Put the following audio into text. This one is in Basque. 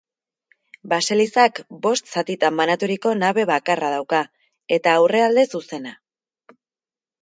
Baselizak bost zatitan banaturiko nabe bakarra dauka, eta aurrealde zuzena.